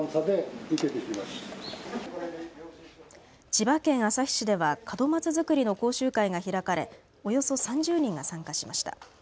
千葉県旭市では門松作りの講習会が開かれおよそ３０人が参加しました。